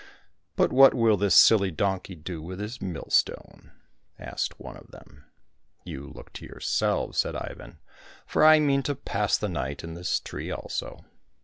—" But what will this silly donkey do with his millstone }" asked one of them. —" You look to yourselves," said Ivan, ''for I mean to pass the night in this tree also."